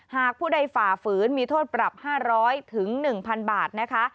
ผู้ใดฝ่าฝืนมีโทษปรับ๕๐๐๑๐๐บาทนะคะ